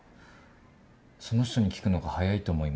その人に聞くのが早いと思います。